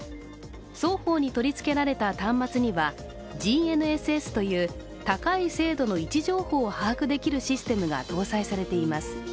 双方に取り付けられた端末にはＧＮＳＳという高い精度の位置情報を把握できるシステムが搭載されています。